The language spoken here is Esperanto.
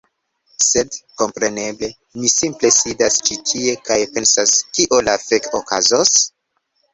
Sed, kompreneble, mi simple sidas ĉi tie kaj pensas kio la fek okazos?